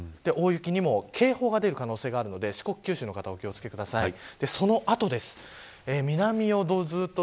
大雪にも警報が出る可能性があるので四国、九州の方お気を付けください。